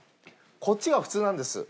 こっちが普通なんです。